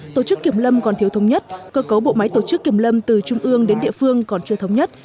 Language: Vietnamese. tổ chức kiểm lâm còn thiếu thống nhất cơ cấu bộ máy tổ chức kiểm lâm từ trung ương đến địa phương còn chưa thống nhất